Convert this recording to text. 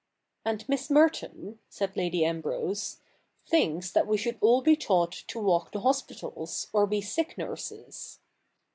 'And Miss Merton,' said Lady Ambrose, 'thinks that we should all be taught to walk the hospitals, or be sick nurses.'